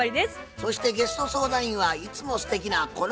そしてゲスト相談員はいつもすてきなこの方です。